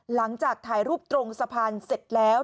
หลังจากถ่ายรูปตรงสะพานเสร็จแล้ว